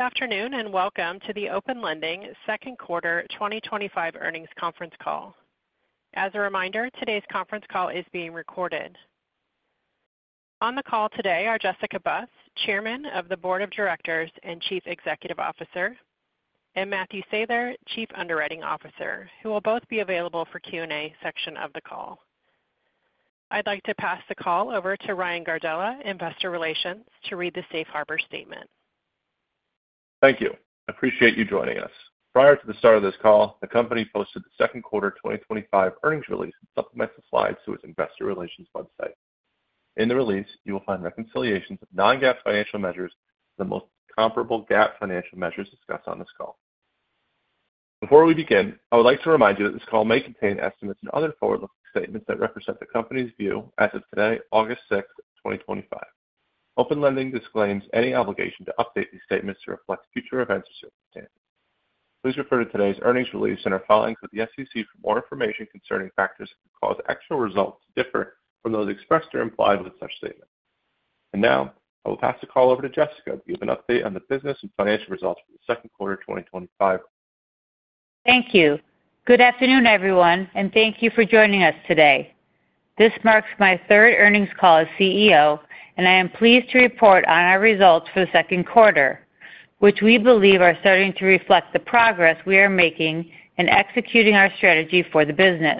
Afternoon and welcome to the Open Lending Second Quarter 2025 Earnings Conference Call. As a reminder, today's conference call is being recorded. On the call today are Jessica Buss, Chairman of the Board of Directors and Chief Executive Officer, and Matthew Sather, Chief Underwriting Officer, who will both be available for the Q&A section of the call. I'd like to pass the call over to Ryan Gardella, Investor Relations, to read the Safe Harbor statement. Thank you. I appreciate you joining us. Prior to the start of this call, the company posted the second quarter 2025 earnings release and supplemental slides to its Investor Relations website. In the release, you will find the reconciliations of non-GAAP financial measures and the most comparable GAAP financial measures discussed on this call. Before we begin, I would like to remind you that this call may contain estimates and other forward-looking statements that represent the company's view as of today, August 6, 2025. Open Lending disclaims any obligation to update these statements to reflect future events or circumstances. Please refer to today's earnings release and our filings with the SEC for more information concerning factors that could cause actual results to differ from those expressed or implied with such statements. I will pass the call over to Jessica to give an update on the business and financial results for the second quarter 2025. Thank you. Good afternoon, everyone, and thank you for joining us today. This marks my third earnings call as CEO, and I am pleased to report on our results for the second quarter, which we believe are starting to reflect the progress we are making in executing our strategy for the business.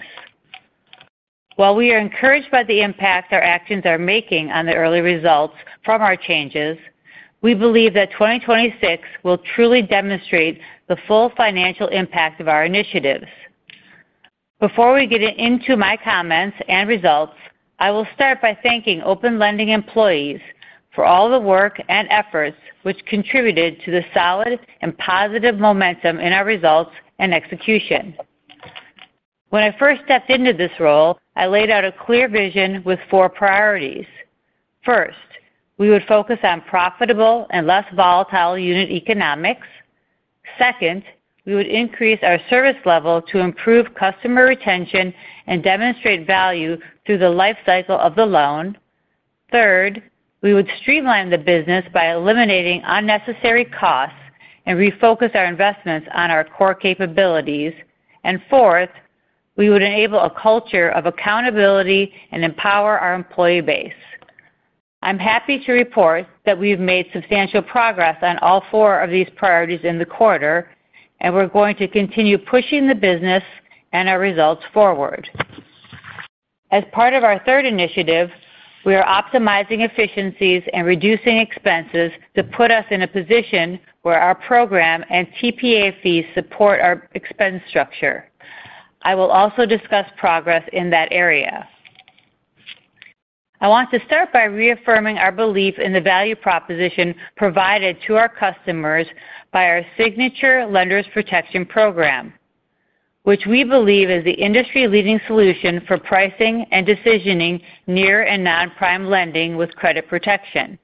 While we are encouraged by the impact our actions are making on the early results from our changes, we believe that 2026 will truly demonstrate the full financial impact of our initiatives. Before we get into my comments and results, I will start by thanking Open Lending employees for all the work and efforts which contributed to the solid and positive momentum in our results and execution. When I first stepped into this role, I laid out a clear vision with four priorities. First, we would focus on profitable and less volatile unit economics. Second, we would increase our service level to improve customer retention and demonstrate value through the lifecycle of the loan. Third, we would streamline the business by eliminating unnecessary costs and refocus our investments on our core capabilities. Fourth, we would enable a culture of accountability and empower our employee base. I'm happy to report that we've made substantial progress on all four of these priorities in the quarter, and we're going to continue pushing the business and our results forward. As part of our third initiative, we are optimizing efficiencies and reducing expenses to put us in a position where our program and TPA fees support our expense structure. I will also discuss progress in that area. I want to start by reaffirming our belief in the value proposition provided to our customers by our signature Lenders Protection Program, which we believe is the industry-leading solution for pricing and decisioning near and non-prime lending with credit protection.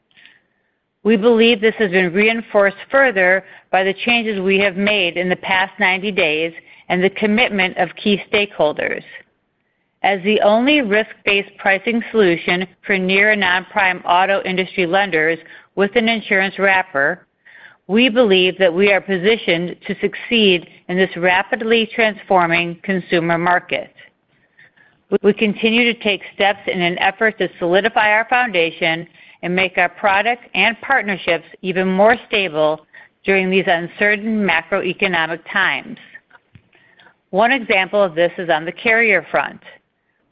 We believe this has been reinforced further by the changes we have made in the past 90 days and the commitment of key stakeholders. As the only risk-based pricing solution for near and non-prime auto industry lenders with an insurance wrapper, we believe that we are positioned to succeed in this rapidly transforming consumer market. We continue to take steps in an effort to solidify our foundation and make our product and partnerships even more stable during these uncertain macroeconomic times. One example of this is on the carrier front.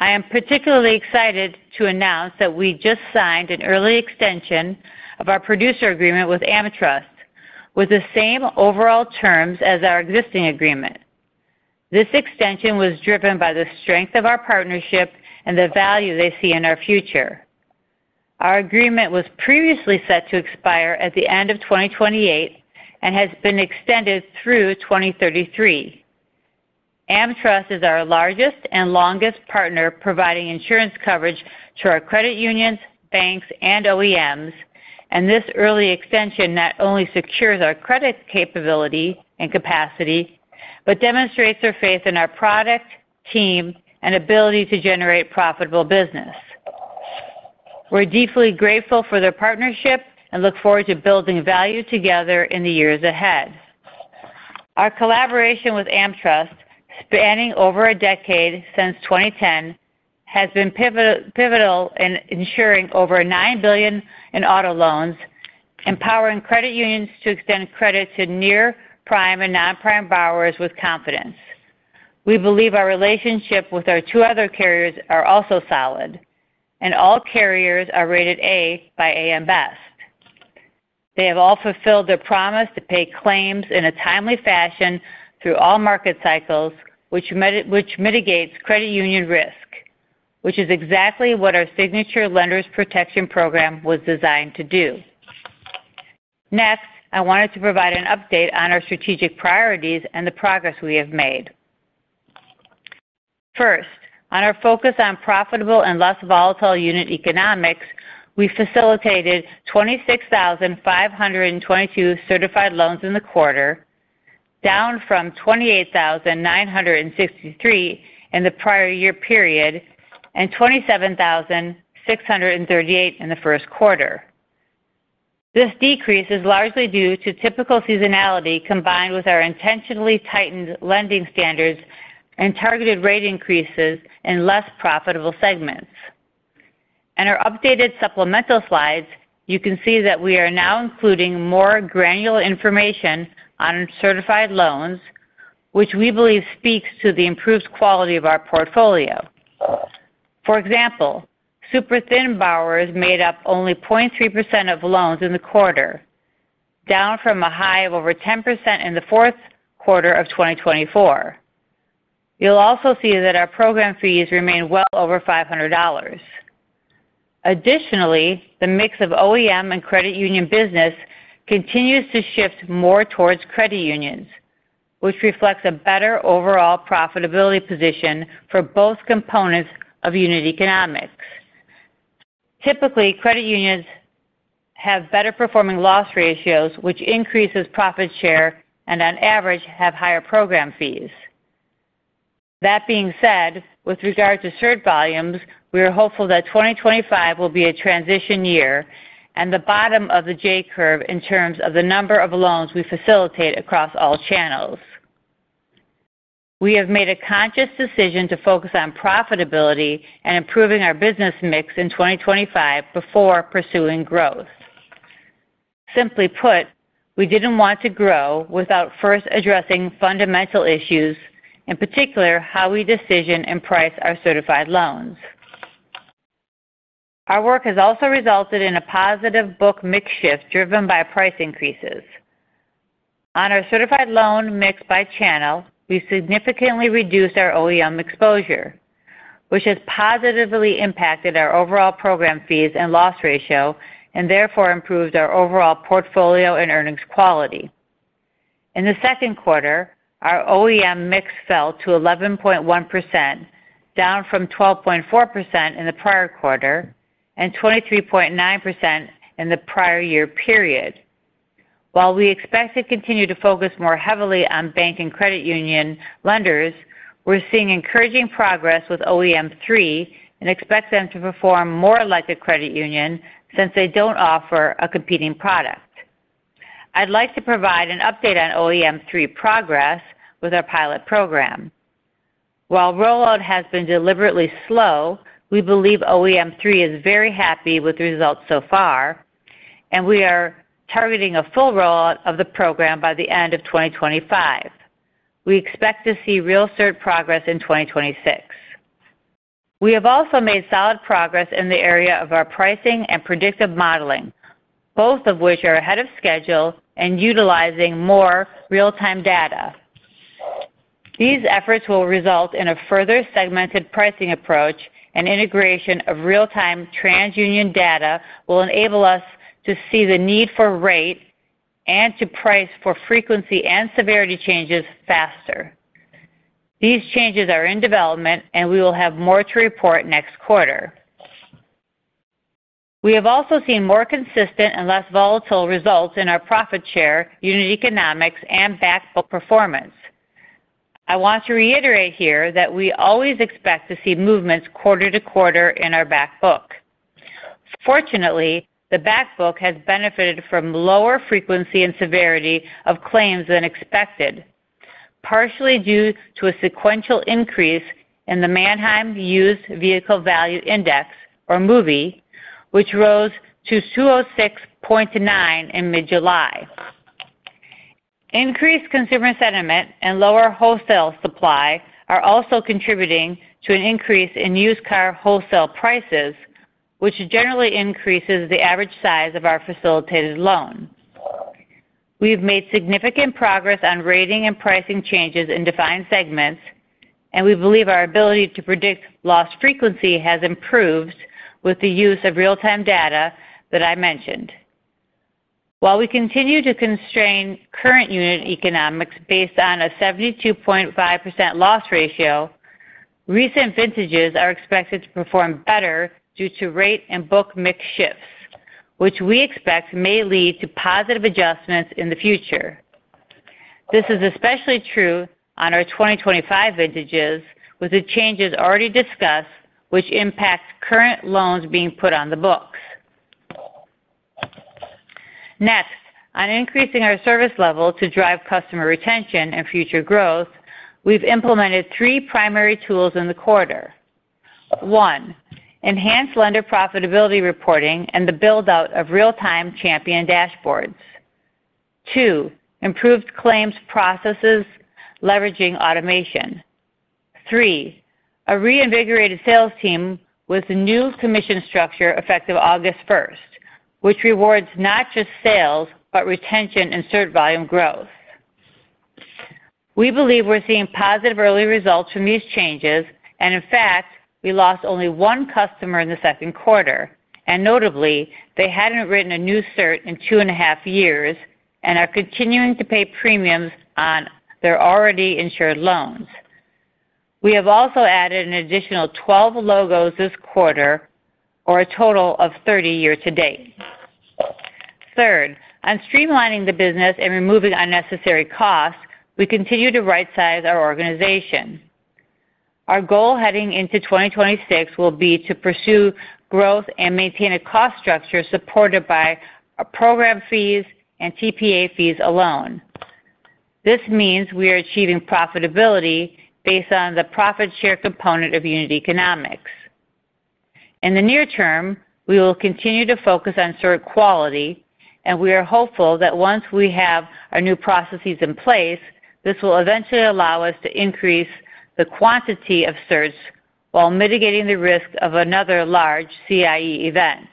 I am particularly excited to announce that we just signed an early extension of our producer agreement with AmTrust, with the same overall terms as our existing agreement. This extension was driven by the strength of our partnership and the value they see in our future. Our agreement was previously set to expire at the end of 2028 and has been extended through 2033. AmTrust is our largest and longest partner providing insurance coverage to our credit unions, banks, and OEMs, and this early extension not only secures our credit capability and capacity, but demonstrates their faith in our product, team, and ability to generate profitable business. We're deeply grateful for their partnership and look forward to building value together in the years ahead. Our collaboration with AmTrust, spanning over a decade since 2010, has been pivotal in ensuring over $9 billion in auto loans, empowering credit unions to extend credit to near-prime and non-prime borrowers with confidence. We believe our relationship with our two other carriers is also solid, and all carriers are rated A by AM Best. They have all fulfilled their promise to pay claims in a timely fashion through all market cycles, which mitigates credit union risk, which is exactly what our signature Lenders Protection Program was designed to do. Next, I wanted to provide an update on our strategic priorities and the progress we have made. First, on our focus on profitable and less volatile unit economics, we facilitated 26,522 certified loans in the quarter, down from 28,963 in the prior year period and 27,638 in the first quarter. This decrease is largely due to typical seasonality combined with our intentionally tightened lending standards and targeted rate increases in less profitable segments. In our updated supplemental slides, you can see that we are now including more granular information on certified loans, which we believe speaks to the improved quality of our portfolio. For example, Super Thin borrowers made up only 0.3% of loans in the quarter, down from a high of over 10% in the fourth quarter of 2024. You'll also see that our program fees remain well over $500. Additionally, the mix of OEM and credit union business continues to shift more towards credit unions, which reflects a better overall profitability position for both components of unit economics. Typically, credit unions have better performing loss ratios, which increases profit share and, on average, have higher program fees. That being said, with regard to certain volumes, we are hopeful that 2025 will be a transition year and the bottom of the J-curve in terms of the number of loans we facilitate across all channels. We have made a conscious decision to focus on profitability and improving our business mix in 2025 before pursuing growth. Simply put, we didn't want to grow without first addressing fundamental issues, in particular how we decision and price our certified loans. Our work has also resulted in a positive book mix shift driven by price increases. On our certified loan mix by channel, we significantly reduced our OEM exposure, which has positively impacted our overall program fees and loss ratio and therefore improved our overall portfolio and earnings quality. In the second quarter, our OEM mix fell to 11.1%, down from 12.4% in the prior quarter and 23.9% in the prior year period. While we expect to continue to focus more heavily on bank and credit union lenders, we're seeing encouraging progress with OEM three and expect them to perform more like a credit union since they don't offer a competing product. I'd like to provide an update on OEM three progress with our pilot program. While rollout has been deliberately slow, we believe OEM three is very happy with the results so far, and we are targeting a full rollout of the program by the end of 2025. We expect to see real cert progress in 2026. We have also made solid progress in the area of our pricing and predictive modeling, both of which are ahead of schedule and utilizing more real-time data. These efforts will result in a further segmented pricing approach, and integration of real-time TransUnion data will enable us to see the need for rate and to price for frequency and severity changes faster. These changes are in development, and we will have more to report next quarter. We have also seen more consistent and less volatile results in our profit share, unit economics, and backbook performance. I want to reiterate here that we always expect to see movements quarter to quarter in our backbook. Fortunately, the backbook has benefited from lower frequency and severity of claims than expected, partially due to a sequential increase in the Manheim Used Vehicle Value Index, or MUVVI, which rose to 206.9 in mid-July. Increased consumer sentiment and lower wholesale supply are also contributing to an increase in used car wholesale prices, which generally increases the average size of our facilitated loan. We've made significant progress on rating and pricing changes in defined segments, and we believe our ability to predict loss frequency has improved with the use of real-time data that I mentioned. While we continue to constrain current unit economics based on a 72.5% loss ratio, recent vintages are expected to perform better due to rate and book mix shifts, which we expect may lead to positive adjustments in the future. This is especially true on our 2025 vintages with the changes already discussed, which impact current loans being put on the books. Next, on increasing our service level to drive customer retention and future growth, we've implemented three primary tools in the quarter. One, enhanced lender profitability reporting and the build-out of real-time champion dashboards. Two, improved claims processes leveraging automation. Three, a reinvigorated sales team with the new commission structure effective August 1st, which rewards not just sales but retention and cert volume growth. We believe we're seeing positive early results from these changes. In fact, we lost only one customer in the second quarter. Notably, they hadn't written a new cert in two and a half years and are continuing to pay premiums on their already insured loans. We have also added an additional 12 logos this quarter, or a total of 30 year to date. Third, on streamlining the business and removing unnecessary costs, we continue to right-size our organization. Our goal heading into 2026 will be to pursue growth and maintain a cost structure supported by program fees and TPA fees alone. This means we are achieving profitability based on the profit share component of unit economics. In the near term, we will continue to focus on cert quality, and we are hopeful that once we have our new processes in place, this will eventually allow us to increase the quantity of certs while mitigating the risk of another large CIE event.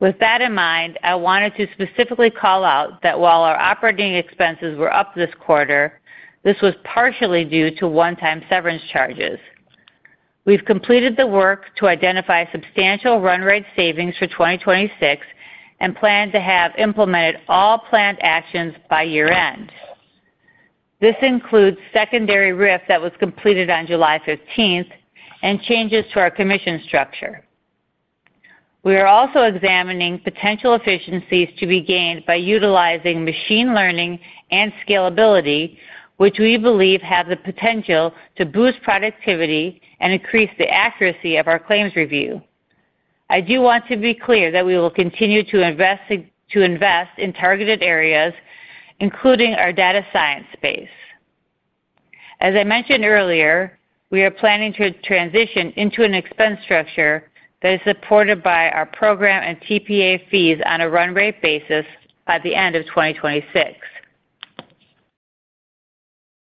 With that in mind, I wanted to specifically call out that while our operating expenses were up this quarter, this was partially due to one-time severance charges. We've completed the work to identify substantial run rate savings for 2026 and plan to have implemented all planned actions by year-end. This includes secondary RIF that was completed on July 15th and changes to our commission structure. We are also examining potential efficiencies to be gained by utilizing machine learning and scalability, which we believe have the potential to boost productivity and increase the accuracy of our claims review. I do want to be clear that we will continue to invest in targeted areas, including our data science space. As I mentioned earlier, we are planning to transition into an expense structure that is supported by our program and TPA fees on a run rate basis by the end of 2026.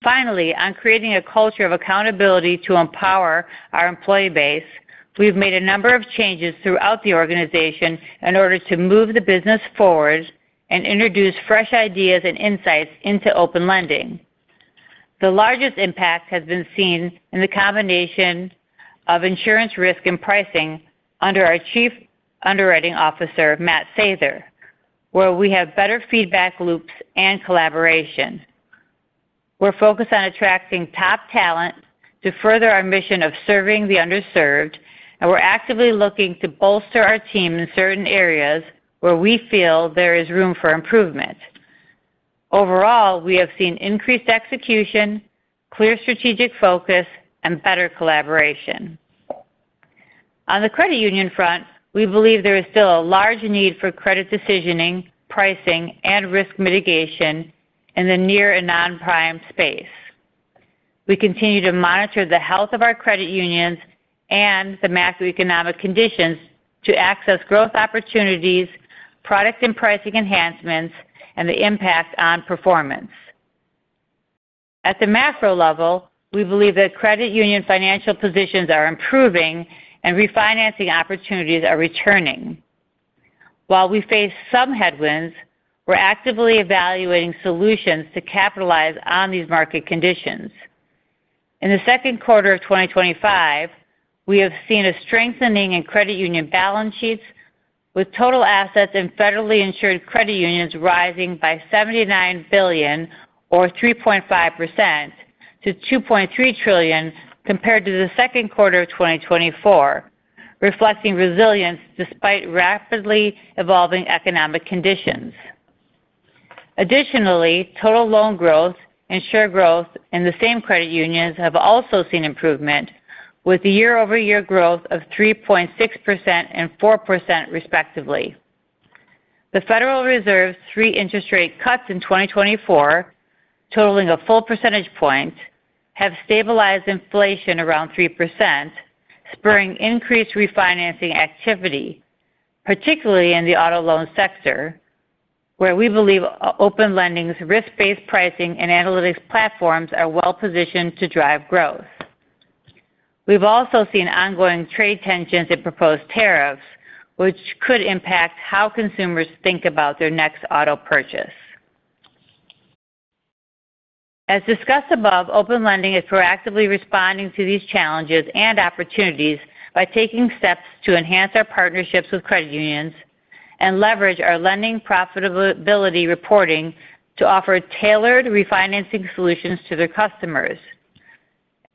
Finally, on creating a culture of accountability to empower our employee base, we've made a number of changes throughout the organization in order to move the business forward and introduce fresh ideas and insights into Open Lending. The largest impact has been seen in the combination of insurance risk and pricing under our Chief Underwriting Officer, Matt Sather, where we have better feedback loops and collaboration. We're focused on attracting top talent to further our mission of serving the underserved, and we're actively looking to bolster our team in certain areas where we feel there is room for improvement. Overall, we have seen increased execution, clear strategic focus, and better collaboration. On the credit union front, we believe there is still a large need for credit decisioning, pricing, and risk mitigation in the near and non-prime space. We continue to monitor the health of our credit unions and the macroeconomic conditions to access growth opportunities, product and pricing enhancements, and the impact on performance. At the macro level, we believe that credit union financial positions are improving and refinancing opportunities are returning. While we face some headwinds, we're actively evaluating solutions to capitalize on these market conditions. In the second quarter of 2025, we have seen a strengthening in credit union balance sheets, with total assets in federally insured credit unions rising by $79 billion, or 3.5%, to $2.3 trillion compared to the second quarter of 2024, reflecting resilience despite rapidly evolving economic conditions. Additionally, total loan growth and share growth in the same credit unions have also seen improvement, with the year-over-year growth of 3.6% and 4% respectively. The Federal Reserve's three interest rate cuts in 2024, totaling a full percentage point, have stabilized inflation around 3%, spurring increased refinancing activity, particularly in the auto loan sector, where we believe Open Lending's risk-based pricing and analytics platforms are well positioned to drive growth. We've also seen ongoing trade tensions and proposed tariffs, which could impact how consumers think about their next auto purchase. As discussed above, Open Lending is proactively responding to these challenges and opportunities by taking steps to enhance our partnerships with credit unions and leverage our lending profitability reporting to offer tailored refinancing solutions to their customers.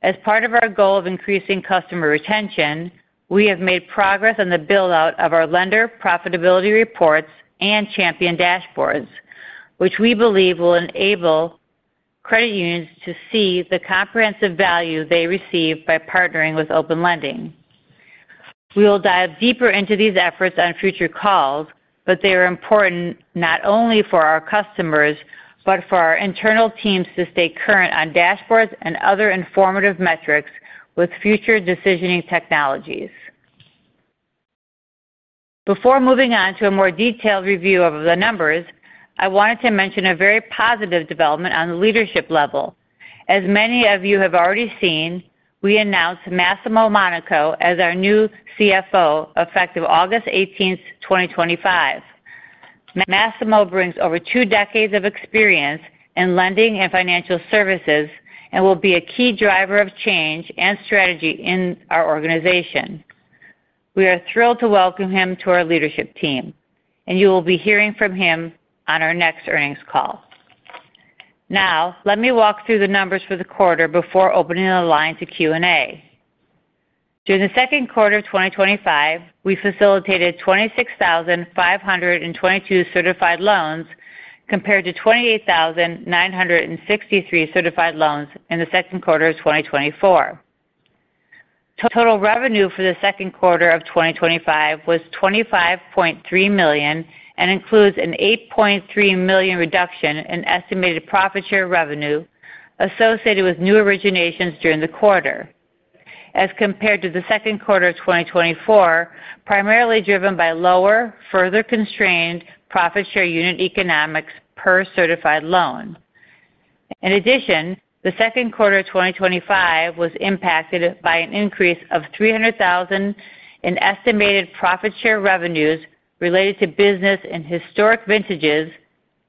As part of our goal of increasing customer retention, we have made progress on the build-out of our lender profitability reports and champion dashboards, which we believe will enable credit unions to see the comprehensive value they receive by partnering with Open Lending. We will dive deeper into these efforts on future calls, but they are important not only for our customers but for our internal teams to stay current on dashboards and other informative metrics with future decisioning technologies. Before moving on to a more detailed review of the numbers, I wanted to mention a very positive development on the leadership level. As many of you have already seen, we announced Massimo Monaco as our new CFO effective August 18th, 2025. Massimo brings over two decades of experience in lending and financial services and will be a key driver of change and strategy in our organization. We are thrilled to welcome him to our leadership team, and you will be hearing from him on our next earnings call. Now, let me walk through the numbers for the quarter before opening the line to Q&A. During the second quarter of 2025, we facilitated 26,522 certified loans compared to 28,963 certified loans in the second quarter of 2024. Total revenue for the second quarter of 2025 was $25.3 million and includes an $8.3 million reduction in estimated profit share revenue associated with new originations during the quarter, as compared to the second quarter of 2024, primarily driven by lower, further constrained profit share unit economics per certified loan. In addition, the second quarter of 2025 was impacted by an increase of $300,000 in estimated profit share revenues related to business and historic vintages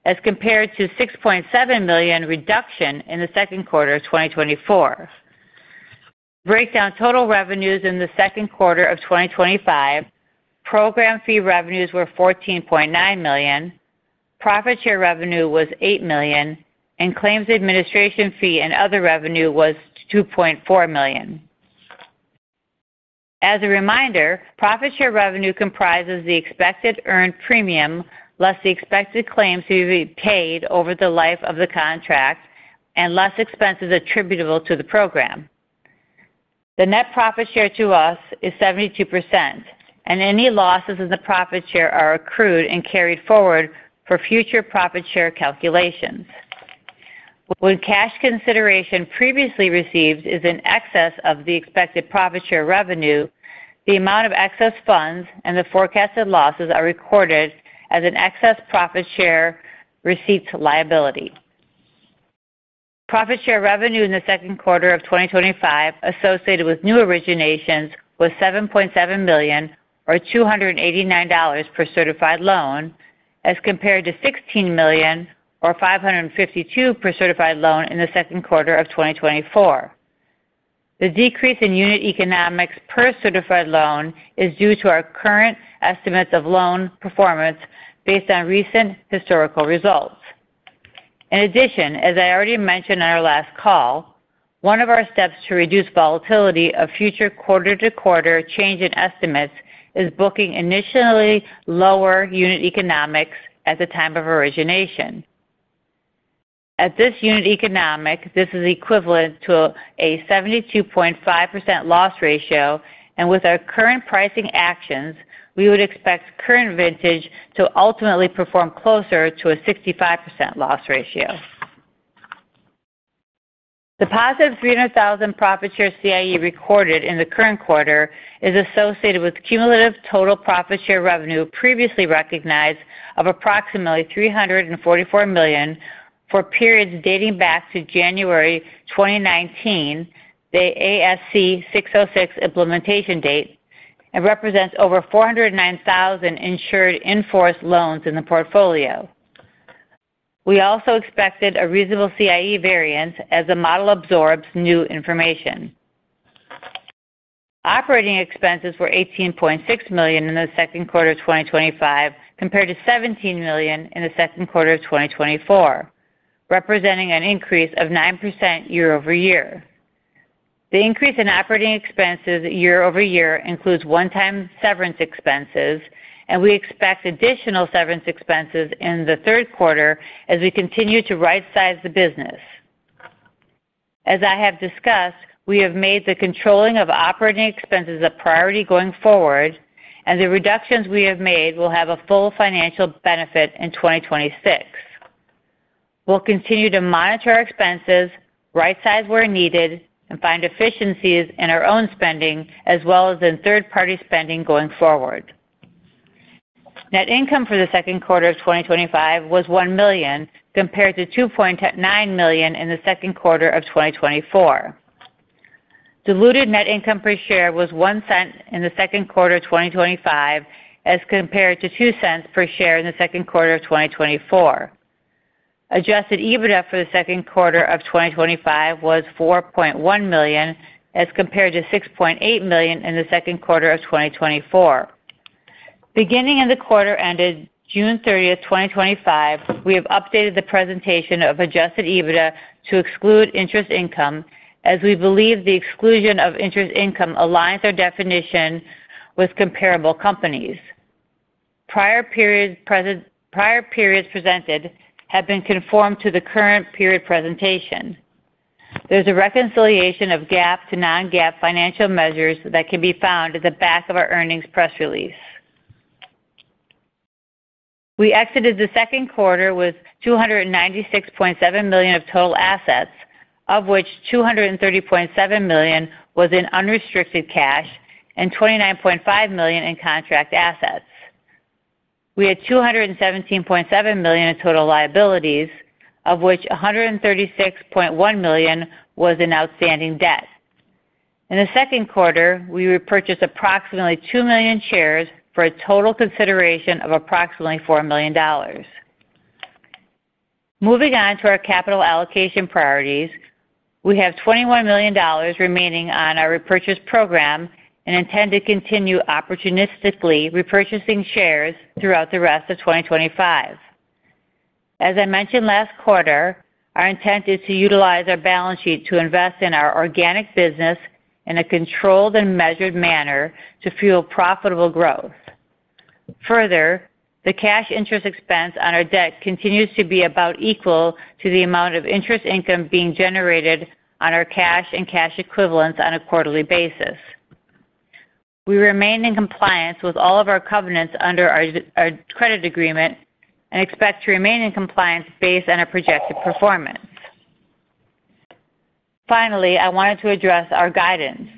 as compared to a $6.7 million reduction in the second quarter of 2024. Breakdown total revenues in the second quarter of 2025: program fee revenues were $14.9 million, profit share revenue was $8 million, and claims administration fee and other revenue was $2.4 million. As a reminder, profit share revenue comprises the expected earned premium less the expected claims to be paid over the life of the contract and less expenses attributable to the program. The net profit share to us is 72%, and any losses in the profit share are accrued and carried forward for future profit share calculations. When cash consideration previously received is in excess of the expected profit share revenue, the amount of excess funds and the forecasted losses are recorded as an excess profit share receipts liability. Profit share revenue in the second quarter of 2025 associated with new originations was $7.7 million, or $289 per certified loan, as compared to $16 million, or $552 per certified loan in the second quarter of 2024. The decrease in unit economics per certified loan is due to our current estimates of loan performance based on recent historical results. In addition, as I already mentioned on our last call, one of our steps to reduce volatility of future quarter-to-quarter change in estimates is booking initially lower unit economics at the time of origination. At this unit economic, this is equivalent to a 72.5% loss ratio, and with our current pricing actions, we would expect current vintage to ultimately perform closer to a 65% loss ratio. The +$300,000 profit share CIE recorded in the current quarter is associated with cumulative total profit share revenue previously recognized of approximately $344 million for periods dating back to January 2019, the ASC 606 implementation date, and represents over 409,000 insured enforced loans in the portfolio. We also expected a reasonable CIE variance as the model absorbs new information. Operating expenses were $18.6 million in the second quarter of 2025 compared to $17 million in the second quarter of 2024, representing an increase of 9% year-over-year. The increase in operating expenses year-over-year includes one-time severance expenses, and we expect additional severance expenses in the third quarter as we continue to right-size the business. As I have discussed, we have made the controlling of operating expenses a priority going forward, and the reductions we have made will have a full financial benefit in 2026. We'll continue to monitor expenses, right-size where needed, and find efficiencies in our own spending as well as in third-party spending going forward. Net income for the second quarter of 2025 was $1 million compared to $2.9 million in the second quarter of 2024. Diluted net income per share was $0.01 in the second quarter of 2025 as compared to $0.02 per share in the second quarter of 2024. Adjusted EBITDA for the second quarter of 2025 was $4.1 million as compared to $6.8 million in the second quarter of 2024. Beginning in the quarter ended June 30, 2025, we have updated the presentation of adjusted EBITDA to exclude interest income as we believe the exclusion of interest income aligns our definition with comparable companies. Prior periods presented have been conformed to the current period presentation. There is a reconciliation of GAAP to non-GAAP financial measures that can be found at the back of our earnings press release. We exited the second quarter with $296.7 million of total assets, of which $230.7 million was in unrestricted cash and $29.5 million in contract assets. We had $217.7 million in total liabilities, of which $136.1 million was in outstanding debt. In the second quarter, we repurchased approximately 2 million shares for a total consideration of approximately $4 million. Moving on to our capital allocation priorities, we have $21 million remaining on our repurchase program and intend to continue opportunistically repurchasing shares throughout the rest of 2025. As I mentioned last quarter, our intent is to utilize our balance sheet to invest in our organic business in a controlled and measured manner to fuel profitable growth. Further, the cash interest expense on our debt continues to be about equal to the amount of interest income being generated on our cash and cash equivalents on a quarterly basis. We remain in compliance with all of our covenants under our credit agreement and expect to remain in compliance based on our projected performance. Finally, I wanted to address our guidance.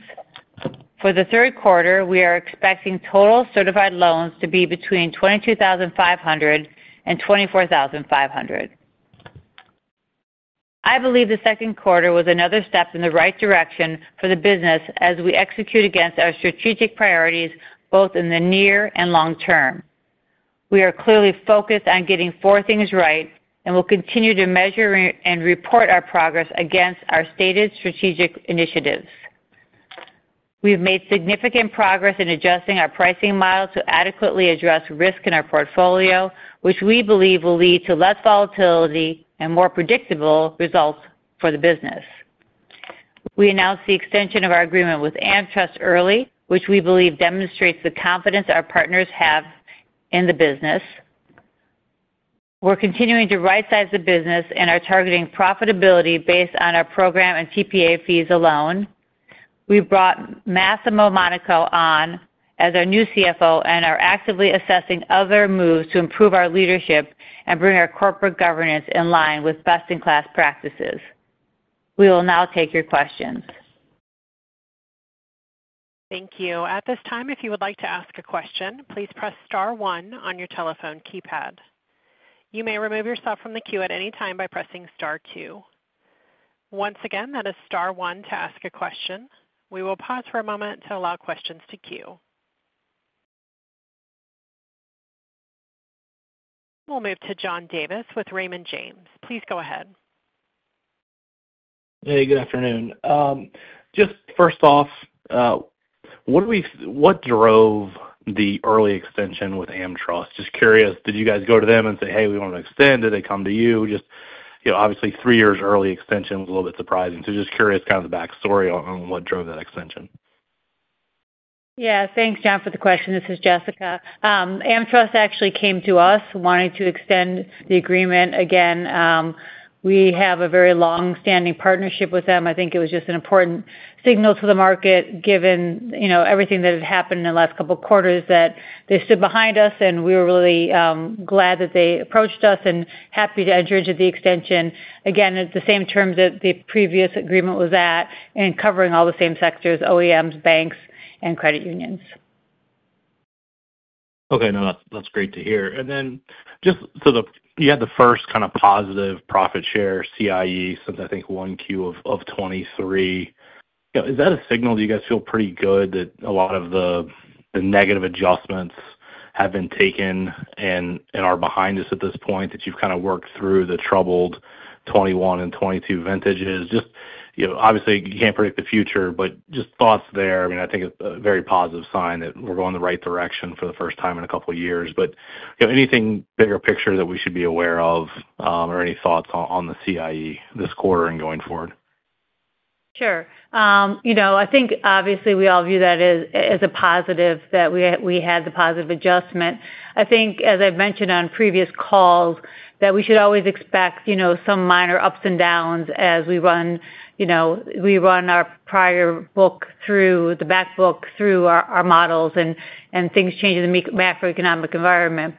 For the third quarter, we are expecting total certified loans to be between 22,500 and 24,500. I believe the second quarter was another step in the right direction for the business as we execute against our strategic priorities both in the near and long term. We are clearly focused on getting four things right and will continue to measure and report our progress against our stated strategic initiatives. We've made significant progress in adjusting our pricing model to adequately address risk in our portfolio, which we believe will lead to less volatility and more predictable results for the business. We announced the extension of our agreement with AmTrust early, which we believe demonstrates the confidence our partners have in the business. We're continuing to right-size the business and are targeting profitability based on our program and TPA fees alone. We brought Massimo Monaco on as our new CFO and are actively assessing other moves to improve our leadership and bring our corporate governance in line with best-in-class practices. We will now take your questions. Thank you. At this time, if you would like to ask a question, please press star one on your telephone keypad. You may remove yourself from the queue at any time by pressing star two. Once again, that is star one to ask a question. We will pause for a moment to allow questions to queue. We'll move to John Davis with Raymond James. Please go ahead. Hey, good afternoon. First off, what drove the early extension with AmTrust? Just curious, did you guys go to them and say, "Hey, we want to extend?" Did they come to you? Obviously, three years early extension was a little bit surprising. Just curious, kind of the backstory on what drove that extension? Yeah, thanks, John, for the question. This is Jessica. AmTrust actually came to us wanting to extend the agreement again. We have a very long-standing partnership with them. I think it was just an important signal to the market given, you know, everything that had happened in the last couple of quarters that they stood behind us, and we were really glad that they approached us and happy to enter into the extension again at the same terms that the previous agreement was at and covering all the same sectors: OEMs, banks, and credit unions. Okay, no, that's great to hear. Just so you had the first kind of positive profit share CIE since I think Q1 of 2023. Is that a signal that you guys feel pretty good that a lot of the negative adjustments have been taken and are behind us at this point, that you've kind of worked through the troubled 2021 and 2022 vintages? Obviously you can't predict the future, but just thoughts there. I think it's a very positive sign that we're going in the right direction for the first time in a couple of years. Anything bigger picture that we should be aware of or any thoughts on the CIE this quarter and going forward? Sure. I think obviously we all view that as a positive that we had the positive adjustment. As I've mentioned on previous calls, we should always expect some minor ups and downs as we run our prior book, the backbook, through our models and things change in the macroeconomic environment.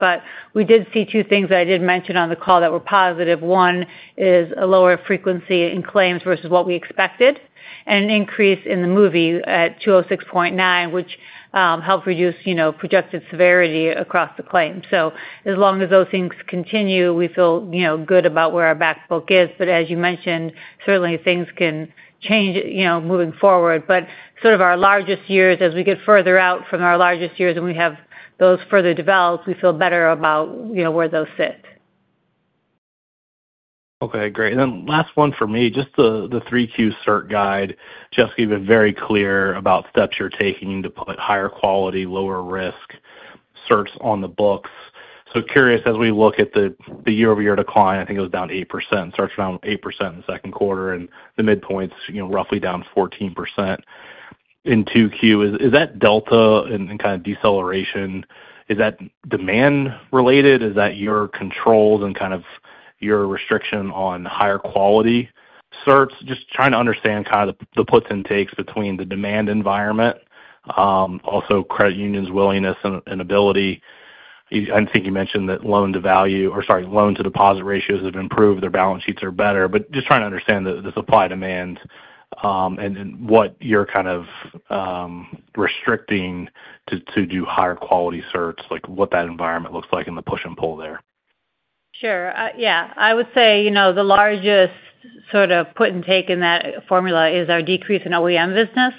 We did see two things that I didn't mention on the call that were positive. One is a lower frequency in claims versus what we expected, and an increase in the MUVVI at 206.9, which helped reduce projected severity across the claims. As long as those things continue, we feel good about where our backbook is. As you mentioned, certainly things can change moving forward. As we get further out from our largest years and we have those further developed, we feel better about where those sit. Okay, great. Last one for me, just the three-Q cert guide. Jessica, you've been very clear about steps you're taking to put higher quality, lower risk certs on the books. Curious, as we look at the year-over-year decline, I think it was down 8%. Certs were down 8% in the second quarter and the midpoints, you know, roughly down 14% in two Qs. Is that delta and kind of deceleration demand-related? Is that your controls and your restriction on higher quality certs? Just trying to understand the puts and takes between the demand environment, also credit unions' willingness and ability. I think you mentioned that loan-to-deposit ratios have improved. Their balance sheets are better. Just trying to understand the supply-demand, and what you're restricting to do higher quality certs, like what that environment looks like and the push and pull there. Sure. I would say the largest sort of put and take in that formula is our decrease in OEM business,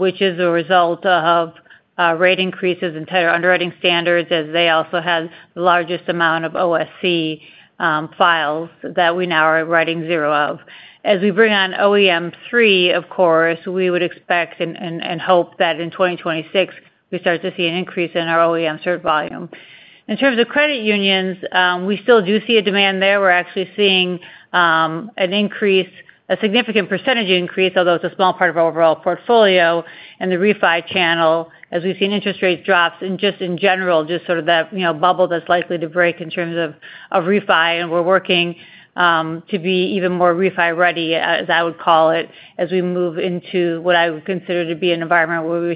which is a result of rate increases and tighter underwriting standards as they also had the largest amount of OSC files that we now are writing zero of. As we bring on OEM three, of course, we would expect and hope that in 2026, we start to see an increase in our OEM cert volume. In terms of credit unions, we still do see a demand there. We're actually seeing an increase, a significant % increase, although it's a small part of our overall portfolio in the refi channel, as we've seen interest rate drops and just in general, just sort of that bubble that's likely to break in terms of refi. We're working to be even more refi ready, as I would call it, as we move into what I would consider to be an environment where we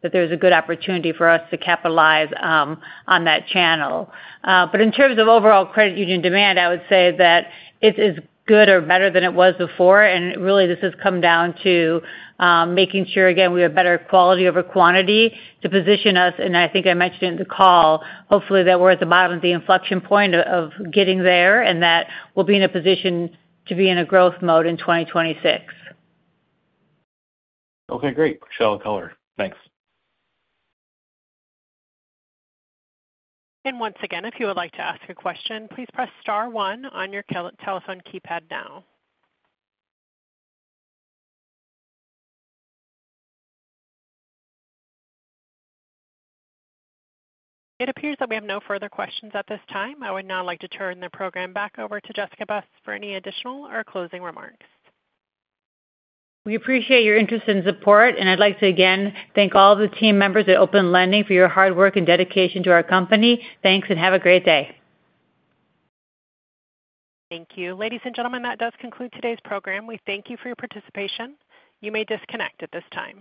think that there's a good opportunity for us to capitalize on that channel. In terms of overall credit union demand, I would say that it's as good or better than it was before. This has come down to making sure, again, we have better quality over quantity to position us. I think I mentioned it in the call, hopefully that we're at the bottom of the inflection point of getting there and that we'll be in a position to be in a growth mode in 2026. Okay, great. Shall we call her? Thanks. If you would like to ask your question, please press star one on your telephone keypad now. It appears that we have no further questions at this time. I would now like to turn the program back over to Jessica Buss for any additional or closing remarks. We appreciate your interest and support. I'd like to again thank all of the team members at Open Lending for your hard work and dedication to our company. Thanks and have a great day. Thank you. Ladies and gentlemen, that does conclude today's program. We thank you for your participation. You may disconnect at this time.